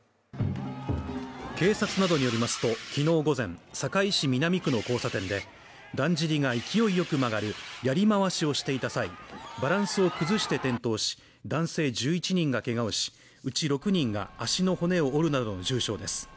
警察などによりますと、きのう午前堺市南区の交差点でだんじりが勢いよく曲がるやりまわしをしていた際、バランスを崩して転倒し、男性１１人がけがをし、うち６人が足の骨を折るなどの重傷です。